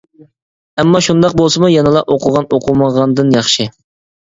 ئەمما شۇنداق بولسىمۇ يەنىلا ئوقۇغان ئوقۇمىغاندىن ياخشى.